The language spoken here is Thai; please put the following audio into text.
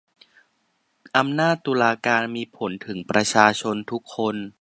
อำนาจตุลาการมีผลถึงประชาชนทุกคน